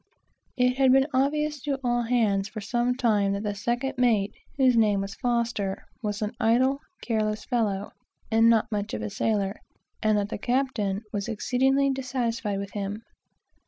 It had been obvious to all hands for some time that the second mate, whose name was F , was an idle, careless fellow, and not much of a sailor, and that the captain was exceedingly dissatisfied with him.